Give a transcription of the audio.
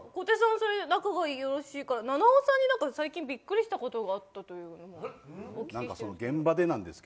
それで仲がよろしいから菜々緒さんに最近びっくりしたことがあったというのをお聞きしたんですが。